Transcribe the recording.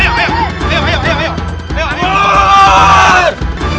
jangan jangan ditahan jangan ditahan jangan ditahan